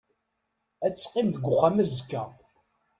Ad teqqim deg uxxam azekka.